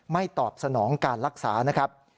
ตอบสนองการรักษานะครับ